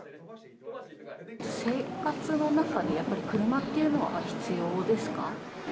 生活の中でやっぱり車っていうのは必要ですか。